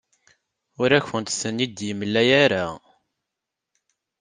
Ur akent-ten-id-yemla ara.